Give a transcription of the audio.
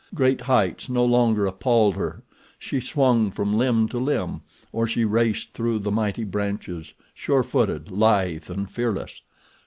Great heights no longer appalled her. She swung from limb to limb, or she raced through the mighty branches, surefooted, lithe, and fearless.